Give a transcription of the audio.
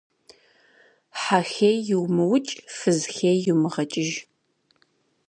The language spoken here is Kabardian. Хьэ хей умыукӏ, фыз хей йумыгъэкӏыж.